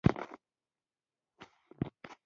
دا مېوه د هاضمې ستونزې حل کوي.